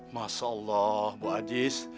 masya allah ibu aziz